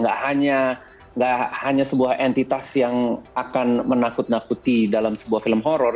nggak hanya sebuah entitas yang akan menakut nakuti dalam sebuah film horror